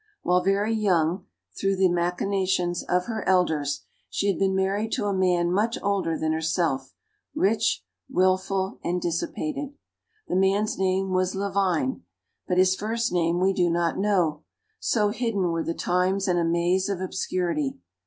While very young, through the machinations of her elders, she had been married to a man much older than herself rich, wilful and dissipated. The man's name was Lavine, but his first name we do not know, so hidden were the times in a maze of obscurity.